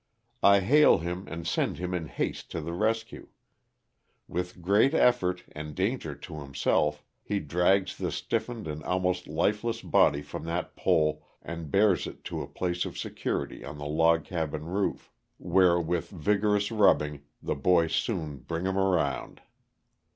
I hail him and send him in haste to the rescue. With great effort, and danger to himself, he drags the stiffened and almost lifeless body from that pole and bears it to a place of security on the log cabin roof, where with vigorous rubbing the boys soon ''bring him round.''